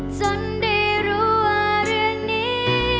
จนได้รู้ว่าเรื่องนี้